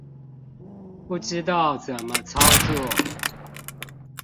不知道怎麼操作